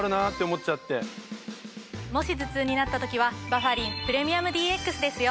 もし頭痛になった時はバファリンプレミアムＤＸですよ。